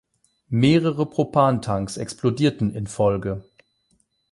Mehrere Propan-Tanks explodierten in Folge.